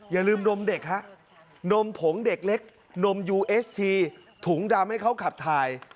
อย่าลืมนมเด็กฮะนมผงเด็กเล็กนมยูเอสทีถุงดำให้เขาขับถ่าย